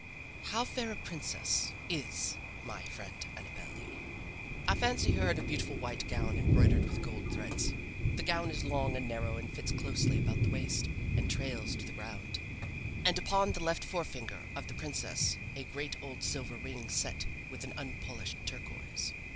How fair a princess is my friend Annabel Lee! I fancy her in a beautiful white gown embroidered with gold threads. The gown is long and narrow and fits closely about the waist, and trails on the ground. And upon the left forefinger of the princess a great old silver ring set with an unpolished turquoise.